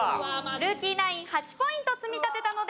ルーキーナイン８ポイント積み立てたので５ポイント獲得です。